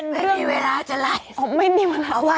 มีเวลาจะไลฟ์